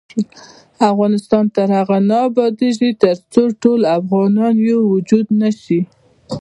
افغانستان تر هغو نه ابادیږي، ترڅو ټول افغانان یو وجود نشي.